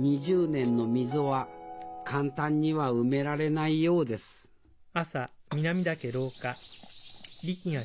２０年の溝は簡単には埋められないようですあっどうしたの？